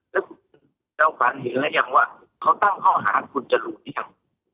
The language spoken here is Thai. แล้วคุณเจ้าฟันเห็นแล้วอย่างว่าเขาตั้งข้อหาคุณจะรู้ไหม